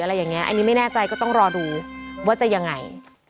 อันนี้ไม่แน่ใจก็ต้องรอดูว่าจะยังไง